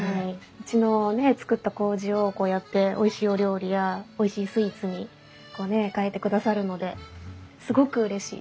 うちの造ったこうじをこうやっておいしいお料理やおいしいスイーツに変えてくださるのですごくうれしいです。